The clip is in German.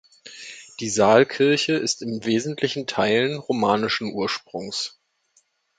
Die Saalkirche ist in wesentlichen Teilen romanischen Ursprungs.